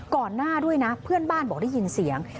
ก่อนหน้าด้วยนะเพื่อนบ้านบอกได้ยินเสียง